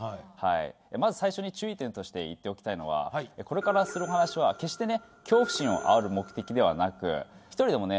まず最初に注意点として言っておきたいのはこれからする話は決してね恐怖心をあおる目的ではなく１人でもね